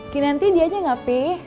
ki nanti dia aja nggak pi